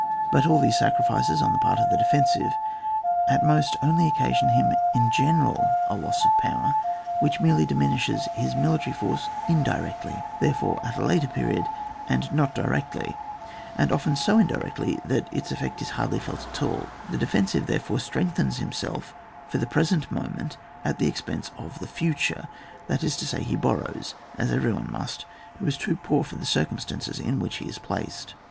But all these sacrifices on the part of the defensive, at most only occasion him in general a loss of power which merely diminishes his military force indirectly^ therefore, at a later period, and not directly, and often so indirectly that its effect is hardly felt at alL The de fensiye, therefore, strengthens himself for the present moment at the ex pense of die future, that is to say, he borrows, as every one must who is too poor for the circumstances in which he is placed.